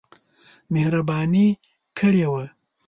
مهرباني کړې وه.